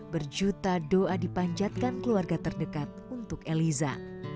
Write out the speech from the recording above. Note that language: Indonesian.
berjuta doa dipanjatkan keluarga terdekat untuk eliza